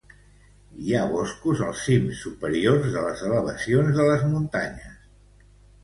Hi ha boscos als cims superiors de les elevacions de les muntanyes.